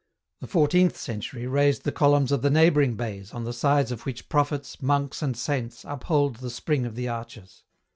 The fourteenth century raised the columns of the neighbouring bays on the sides of which prophets, monks and saints uphold the spring of the arches.